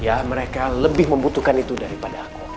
ya mereka lebih membutuhkan itu daripada aku